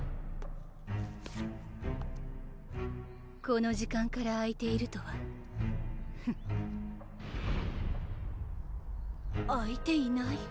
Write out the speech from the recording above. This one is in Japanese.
・この時間から開いているとはフッ開いていない？